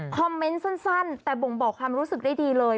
มนต์สั้นแต่บ่งบอกความรู้สึกได้ดีเลย